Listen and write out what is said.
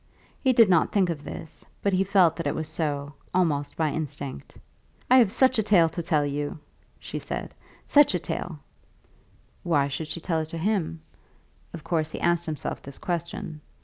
He did not think of this, but he felt that it was so, almost by instinct. "I have such a tale to tell you," she said; "such a tale!" [Illustration: A friendly talk.] Why should she tell it to him? Of course he asked himself this question.